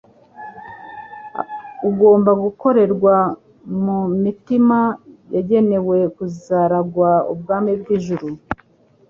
ugomba gukorerwa mu mitima yagenewe kuzaragwa ubwami bw'ijuru.